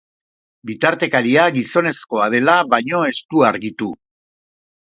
Bitartekaria gizonezkoa dela baino ez du argitu.